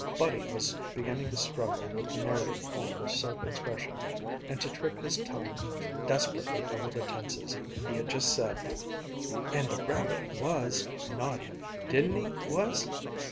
Buddy was beginning to struggle with the narrative form of self expression, and to trip his tongue desperately over the tenses. He had just said, "And the rabbit was naughty, didn't he was?"